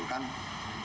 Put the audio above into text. tidak akan berhasil